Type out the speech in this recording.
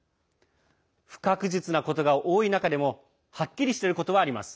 不確実なことが多い中でもはっきりしていることはあります。